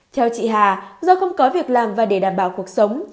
theo chị hà do không có việc làm và để đảm bảo cuộc sống